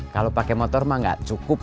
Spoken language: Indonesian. kalau pakai motor mah gak cukup